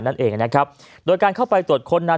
นั่นเองนะครับโดยการเข้าไปตรวจค้นนั้น